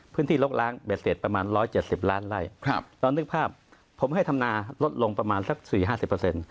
พื้นที่ลกล้างเบสเศษประมาณ๑๗๐ล้านไล่เรานึกภาพผมให้ธำนาลดลงประมาณสักสี่ห้าสิบเปอร์เซ็นต์